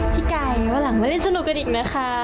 พี่ไก่วันหลังมาเล่นสนุกกันอีกนะคะ